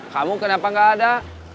kamu kenapa nggak ada